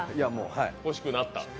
欲しくなった？